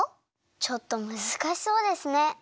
ちょっとむずかしそうですね。